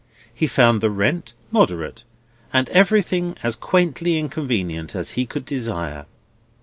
He found the rent moderate, and everything as quaintly inconvenient as he could desire.